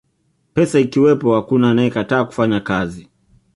pesa ikiwepo hakuna anayekataa kufanya kazi